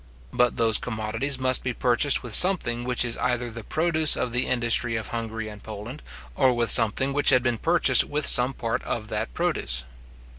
But those commodities must be purchased with something which is either the produce of the industry of Hungary and Poland, or with something which had been purchased with some part of that produce.